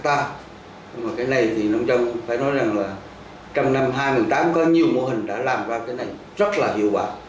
nhưng mà cái này thì nông dân phải nói rằng là trong năm hai nghìn tám có nhiều mô hình đã làm ra cái này rất là hiệu quả